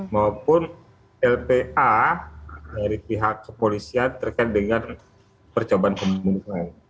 maupun lpa dari pihak kepolisian terkait dengan percobaan pembunuhan